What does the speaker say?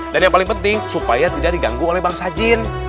dan yang paling penting supaya tidak diganggu oleh bangsa jin